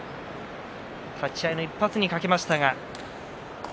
立ち合いの１発にかけましたが。